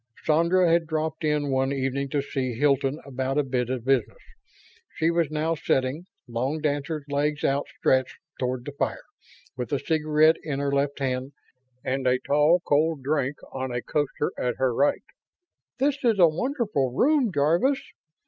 Sandra had dropped in one evening to see Hilton about a bit of business. She was now sitting, long dancer's legs out stretched toward the fire, with a cigarette in her left hand and a tall, cold drink on a coaster at her right. "This is a wonderful room, Jarvis.